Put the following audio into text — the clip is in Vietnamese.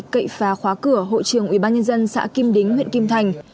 cậy phá khóa cửa hội trường ubnd xã kim đính huyện kim thành